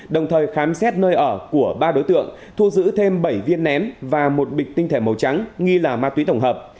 đồng thời khám xét nơi ở của ba đối tượng thu giữ thêm bảy viên nén và một bịch tinh thể màu trắng nghi là ma túy tổng hợp